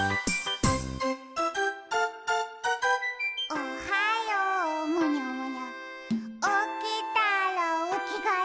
「おはようむにゃむにゃおきたらおきがえ」